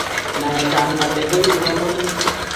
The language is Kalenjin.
Naet ab ngalek koibu kamanutik